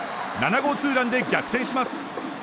７号ツーランで逆転します。